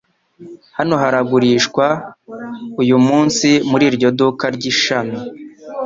Hano haragurishwa uyumunsi muri iryo duka ryishami.